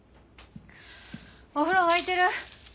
お風呂沸いてる？